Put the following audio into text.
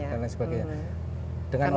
dan lain sebagainya karena